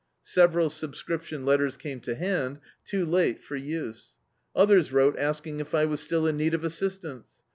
Sev eral subscription letters came to hand — too late for use. Others wrote asking if I was still in need of assistance.